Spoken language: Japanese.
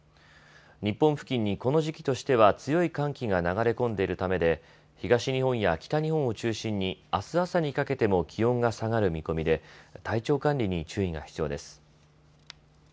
日本付近にこの時期としては強い寒気が流れ込んでいるためで東日本や北日本を中心にあす朝にかけても気温が下がる見込みで体調管理に注意が必要です。